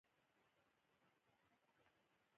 غږ د درد فریاد دی